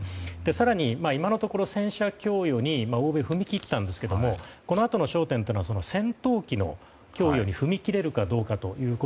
更に、今のところ戦車供与に欧米、踏み切ったんですがこのあとの焦点は戦闘機の供与に踏み切れるかどうか。